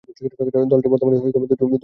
দলটি বর্তমানে দুইটি অংশে বিভক্ত।